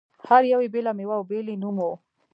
هر یوې بېله مېوه او بېل یې نوم و.